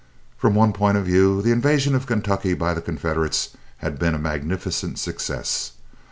From one point of view, the invasion of Kentucky by the Confederates had been a magnificent success.